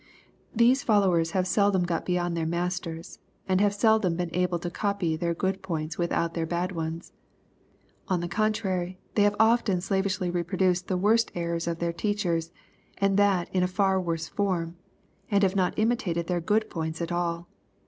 These followers have seldom got beyond their masters, and have seldom been able to copy their good points without their bad ones. On the contrary, they have often slavishly reproduced the worst errors of their teachers, and that in a far worse form, and have not imitated their good points at all.